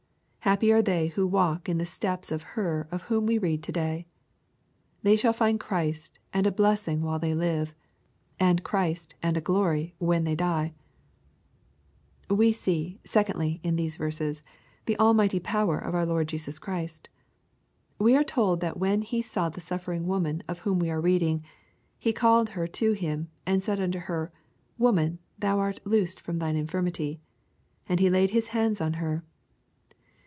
Happy are they who walk in the steps of her of whom we read to day 1 They shall find Christ and a blessing while they live, and Christ and glory when they die. We see, secondly, in these verses, the almighty power of our Lord Jesus Christ. We are told that when He saw the suffering woman of whom we are reading, '^ He called her to Him, and said unto her, Woman, thou art loosed from thine iufirmitv. And He laid His hands on her."